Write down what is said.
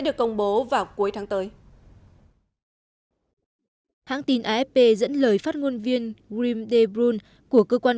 được công bố vào cuối tháng tới hãng tin afp dẫn lời phát ngôn viên grim de bruun của cơ quan